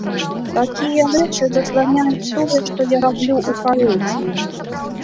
Такія рэчы засланяюць тое, што я раблю ў паэзіі.